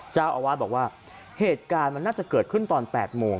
เจ้าอาวาสบอกว่าเหตุการณ์มันน่าจะเกิดขึ้นตอน๘โมง